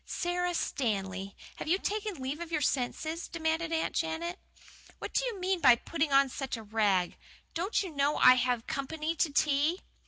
"Sara Stanley, have you taken leave of your senses?" demanded Aunt Janet. "What do you mean by putting on such a rig! Don't you know I have company to tea?"